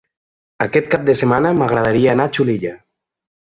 Aquest cap de setmana m'agradaria anar a Xulilla.